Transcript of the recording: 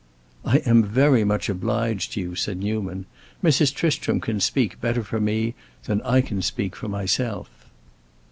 "I am very much obliged to you," said Newman. "Mrs. Tristram can speak better for me than I can speak for myself."